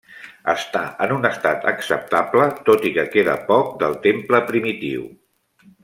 Està en un estat acceptable, tot i que queda poc del temple primitiu.